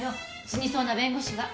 死にそうな弁護士が。